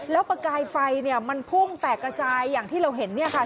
แล้วประกายไฟเนี่ยมันพุ่งแตกกระจายอย่างที่เราเห็นเนี่ยค่ะ